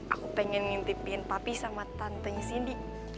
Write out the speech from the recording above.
aku pengen ngintipin papi sama tantenya cindy